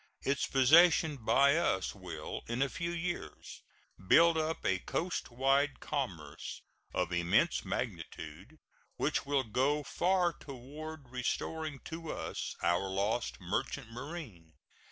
Its possession by us will in a few years build up a coastwise commerce of immense magnitude, which will go far toward restoring to us our lost merchant marine.